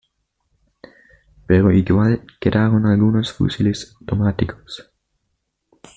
Pero igual quedaron algunos fusiles automáticos.